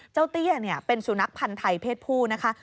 เจ้าเตี้ยเนี่ยเป็นสูนักพันธัยเพศผู้นะคะ